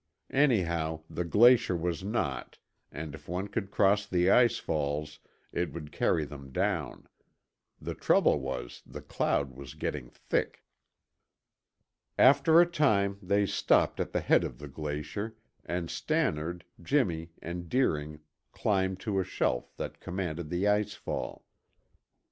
Anyhow, the glacier was not, and if one could cross the ice falls, it would carry them down. The trouble was, the cloud was getting thick. After a time, they stopped at the head of the glacier, and Stannard, Jimmy and Deering climbed to a shelf that commanded the ice fall.